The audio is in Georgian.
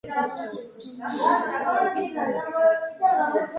არასოდეს დაუკარგავს ადამიანებისადმი სიკეთისა და სითბოს გაცემის სურვილი, წერის ხალისი.